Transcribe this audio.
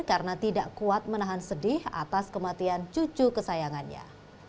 karena tidak kuat menahan sedih atas kematian cucu kesayangannya